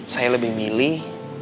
saya lebih milih